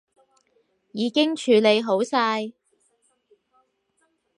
已經處理好晒